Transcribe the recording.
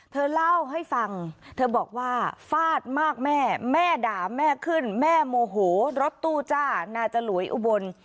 เธอเล่าให้ฟังเธอบอกว่าฟาดมากแม่แม่ด่าแม่ขึ้นแม่โมโหรถตู้จ้าน่าจะหลวยอุบล